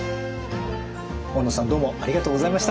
大野さんどうもありがとうございました。